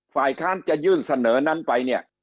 ฝ่ายค้านจะยื่นเสนอนั้นไปเนี่ย